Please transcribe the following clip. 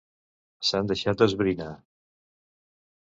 S'han deixat esbrinar.